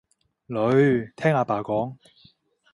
女，聽阿爸講